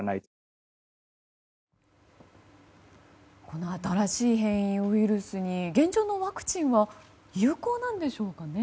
この新しい変異ウイルスに現状のワクチンは有効なんでしょうかね？